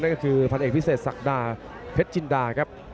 ก็คือพันเอกพิเศษศักดาเพชรจินดาครับ